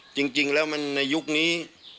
จริงแล้วมันในยุคนี้